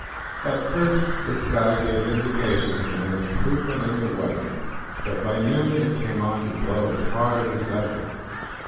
At first the sky gave indications of an improvement in the weather, but by noon it came on to blow as hard as ever.